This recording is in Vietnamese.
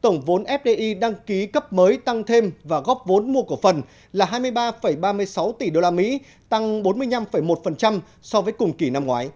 tổng vốn fdi đăng ký cấp mới tăng thêm và góp vốn mua cổ phần là hai mươi ba ba mươi sáu tỷ usd tăng bốn mươi năm một so với cùng kỳ năm ngoái